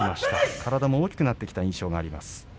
体も大きくなってきた印象があります。